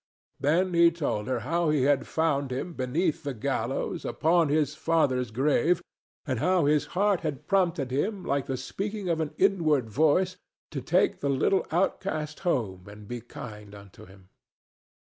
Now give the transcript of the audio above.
Then he told her how he had found him beneath the gallows, upon his father's grave, and how his heart had prompted him like the speaking of an inward voice to take the little outcast home and be kind unto him.